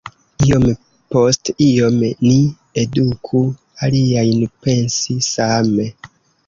Iom post iom, ni eduku aliajn pensi same.”